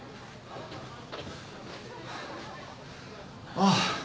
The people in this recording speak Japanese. ああ。